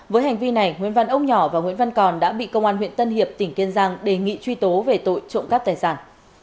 với hành vi này nguyễn văn ốc nhỏ và nguyễn văn còn đã bị công an huyện tân hiệp tỉnh kiên giang đề nghị truy tố về tội trộm cắp tài sản